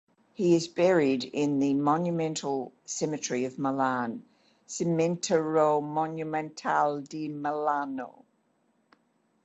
He is buried in the Monumental Cemetery of Milan ("Cimitero Monumentale di Milano").